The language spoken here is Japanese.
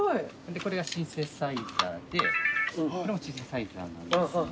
これがシンセサイザーでこれもシンセサイザーなんですが。